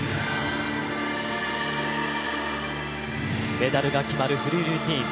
メダルが決まるフリールーティン。